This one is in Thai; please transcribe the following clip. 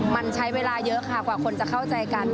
มันใช้เวลาเยอะค่ะกว่าคนจะเข้าใจกัน